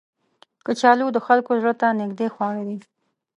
کچالو د خلکو زړه ته نیژدې خواړه دي